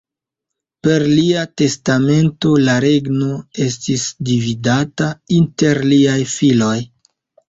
Per lia testamento la regno estis dividata inter liaj filoj.